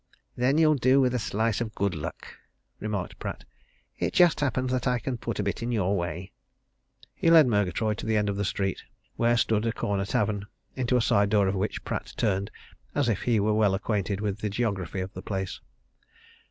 "Then you'll do with a slice of good luck," remarked Pratt. "It just happens that I can put a bit in your way." He led Murgatroyd to the end of the street, where stood a corner tavern, into a side door of which Pratt turned as if he were well acquainted with the geography of the place.